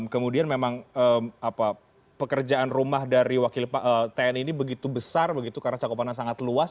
kemudian memang pekerjaan rumah dari wakil tni ini begitu besar begitu karena cakupannya sangat luas